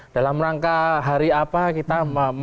dalam rangka hari apa kita